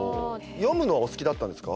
読むのはお好きだったんですか？